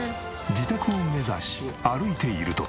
自宅を目指し歩いていると。